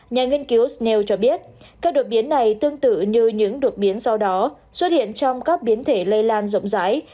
nhà nghiên cứu snale cho biết các đột biến này tương tự như những đột biến do đó xuất hiện trong các biến thể lây lan rộng rãi